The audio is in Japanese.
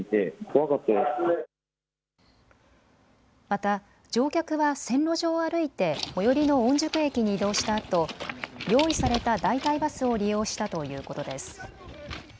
また、乗客は線路上を歩いて最寄りの御宿駅に移動したあと用意された代替バスを利用したということです。